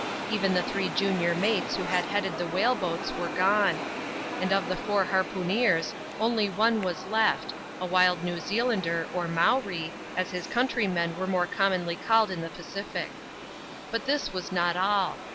Even the three junior mates who had headed the whale boats were gone ; and of the four harpooneers, only one was left, a wild New Zea lander, or " Mowree,^^ as his countrymen are more commonly called in the Pacific But this was not all.